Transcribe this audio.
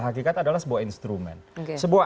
hakikat adalah sebuah instrumen sebuah